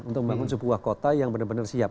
untuk membangun sebuah kota yang benar benar siap